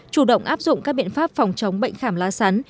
chủ động áp dụng các biện pháp phòng chống bệnh khảm lá sắn